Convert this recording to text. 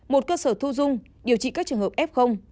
một cơ sở thu dung điều trị các trường hợp f